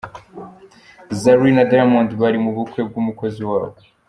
Zari na Diamond bari mu bukwe bw’umukozi wabo.